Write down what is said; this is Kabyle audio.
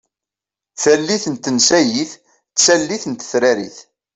Tallit n tensayit d tallit n tetrarit.